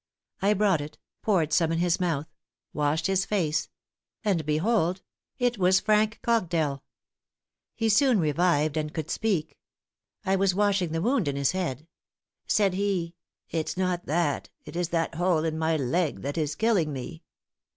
I brought it; poured some in his mouth; washed his face; and behold it was Frank Cogdell. He soon revived and could speak. I was washing the wound in his head. Said he, 'It is not that; it is that hole in my leg that is killing me.'